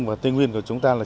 và tây nguyên của chúng ta